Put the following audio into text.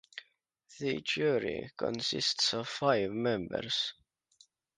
The jury consists of five members.